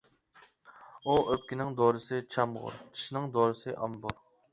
ئۇ ئۆپكىنىڭ دورىسى چامغۇر، چىشنىڭ دورىسى ئامبۇر.